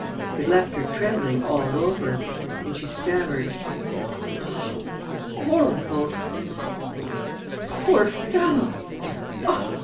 It left her trembling all over; and she stammered: "How horrible!... The poor fellow!...